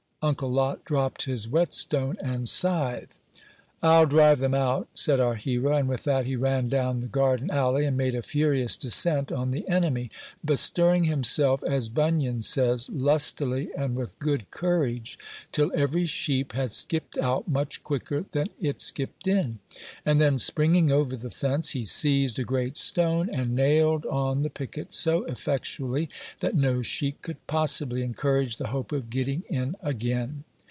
Uncle Lot dropped his whetstone and scythe. "I'll drive them out," said our hero; and with that, he ran down the garden alley, and made a furious descent on the enemy; bestirring himself, as Bunyan says, "lustily and with good courage," till every sheep had skipped out much quicker than it skipped in; and then, springing over the fence, he seized a great stone, and nailed on the picket so effectually that no sheep could possibly encourage the hope of getting in again.